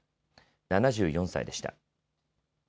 ７４歳でした。